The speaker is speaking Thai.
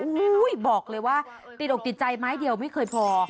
อู๋บอกเลยว่าติดออกจิตใจมาให้เดียวไม่เคยพอ